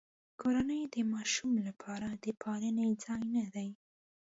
کورنۍ د ماشوم لپاره د پالنې ځای نه دی.